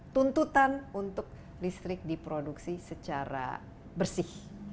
tuntutan untuk listrik diproduksi secara bersih